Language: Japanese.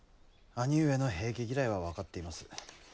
兄上の平家嫌いは分かっています。